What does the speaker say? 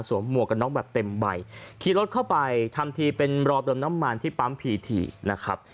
หมวกกันน็อกแบบเต็มใบขี่รถเข้าไปทำทีเป็นรอเติมน้ำมันที่ปั๊มพีทีนะครับ